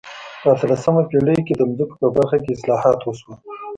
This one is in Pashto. په اتلسمه پېړۍ کې د ځمکو په برخه کې اصلاحات وشول.